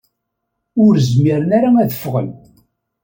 Ur zmiren ara ad d-ffɣen.